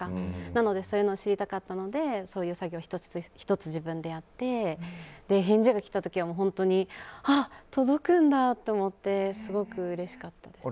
なので、そういうのを知りたかったのでそういう作業１つ自分でやって返事が来たときは、本当にあ、届くんだと思ってすごくうれしかったです。